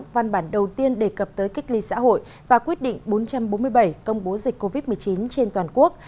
văn bản đầu tiên đề cập tới cách ly xã hội và quyết định bốn trăm bốn mươi bảy công bố dịch covid một mươi chín trên toàn quốc